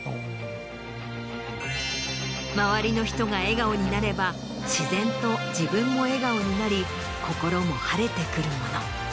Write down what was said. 周りの人が笑顔になれば自然と自分も笑顔になり心も晴れてくるもの。